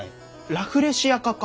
ラフレシア科か。